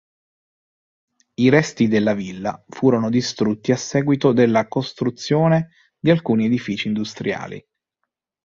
I resti della villa furono distrutti a seguito della costruzione di alcuni edifici industriali.